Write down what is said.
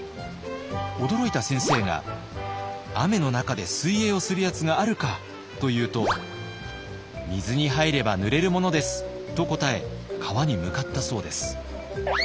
驚いた先生が「雨の中で水泳をするやつがあるか」と言うと「水に入ればぬれるものです」と答え川に向かったそうです。